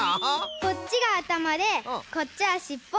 こっちがあたまでこっちはしっぽ。